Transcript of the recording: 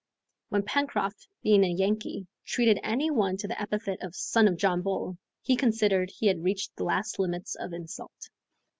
When Pencroft, being a Yankee, treated any one to the epithet of "son of John Bull," he considered he had reached the last limits of insult.